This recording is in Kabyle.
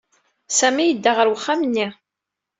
Sami yedda ɣer uxxam-nni.